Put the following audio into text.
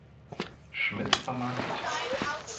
Schmid vermarktet.